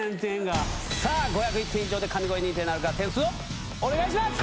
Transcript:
さあ、５０１点以上で神声認定なるか、点数をお願いします。